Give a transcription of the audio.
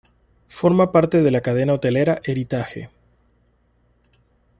Forma parte de la cadena hotelera Heritage.